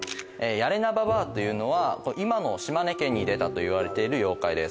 やれな婆というのは今の島根県に出たといわれている妖怪です